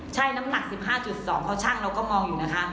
ใช่น้ำหนัก๑๕๒เขาช่างเราก็มองอยู่นะคะ